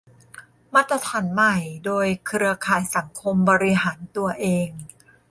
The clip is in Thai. มาตรฐานใหม่โดย เครือข่ายสังคมบริหารตัวเอง